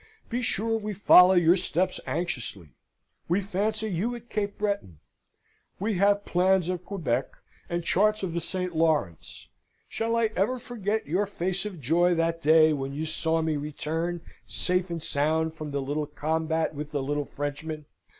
Be sure we follow your steps anxiously we fancy you at Cape Breton. We have plans of Quebec, and charts of the St. Lawrence. Shall I ever forget your face of joy that day when you saw me return safe and sound from the little combat with the little Frenchman?